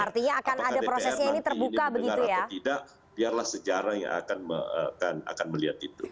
apakah dpr nanti mendengar atau tidak biarlah sejarah yang akan melihat itu